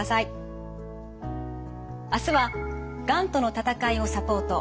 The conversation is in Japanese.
明日は「がんとの闘いをサポート」